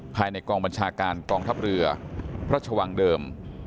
ภายในกองบัญชาการกองทัพเรือพระชวังเดิม